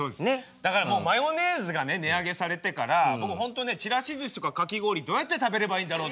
だからもうマヨネーズがね値上げされてから僕本当ねちらしずしとかかき氷どうやって食べればいいんだろうって。